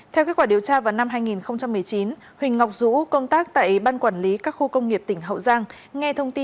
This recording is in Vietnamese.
theo kết quả điều tra vào năm hai nghìn một mươi chín huỳnh ngọc dũ công tác tại ban quản lý các khu công nghiệp tp đà nẵng